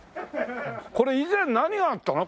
これ以前何があったの？